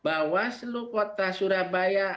bawaslu kota surabaya